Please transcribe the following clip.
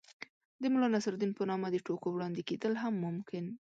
د ملا نصر الدين په نامه د ټوکو وړاندې کېدل هم ممکن